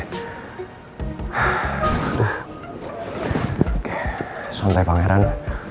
oke santai pangeran